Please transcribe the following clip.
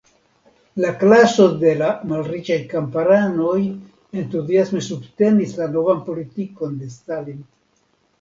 La klaso de la malriĉaj kamparanoj entuziasme subtenis la novan politikon de Stalin.